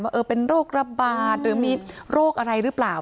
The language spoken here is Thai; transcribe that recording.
เออเป็นโรคระบาดหรือมีโรคอะไรหรือเปล่า